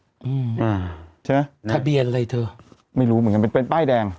อืมอ่าใช่ไหมทะเบียนอะไรเธอไม่รู้เหมือนกันเป็นเป็นป้ายแดง